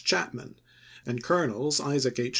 Chapman, and Colonels Isaac H.